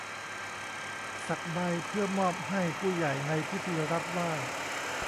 สักใบเพื่อมอบให้ผู้ใหญ่ในพิธีรับไหว้